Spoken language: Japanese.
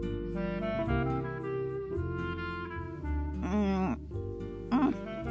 うんうん。